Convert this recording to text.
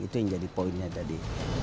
itu yang jadi poinnya tadi